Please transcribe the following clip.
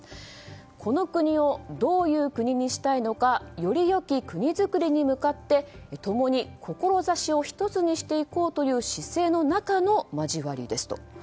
この国をどういう国にしたいのかより良き国造りに向かってともに志を一つにしていこうという姿勢の中の交わりですと。